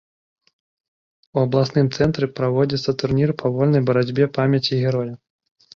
У абласным цэнтры праводзіцца турнір па вольнай барацьбе памяці героя.